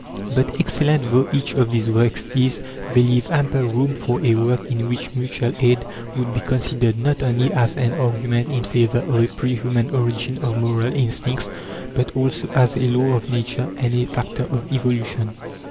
But excellent though each of these works is, they leave ample room for a work in which Mutual Aid would be considered, not only as an argument in favour of a pre human origin of moral instincts, but also as a law of Nature and a factor of evolution.